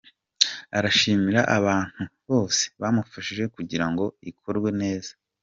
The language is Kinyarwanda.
Arashimira abantu bose bamufashije kugira ngo ikorwe neza.